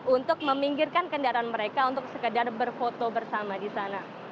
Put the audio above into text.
untuk meminggirkan kendaraan mereka untuk sekedar berfoto bersama di sana